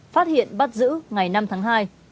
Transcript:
phát hiện bắt giữ ngày năm tháng hai